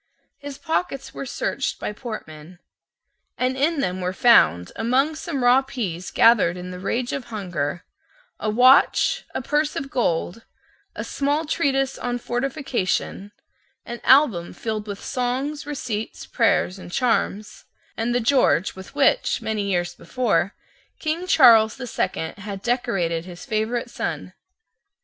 His pockets were searched by Portman, and in them were found, among some raw pease gathered in the rage of hunger, a watch, a purse of gold, a small treatise on fortification, an album filled with songs, receipts, prayers, and charms, and the George with which, many years before, King Charles the Second had decorated his favourite son.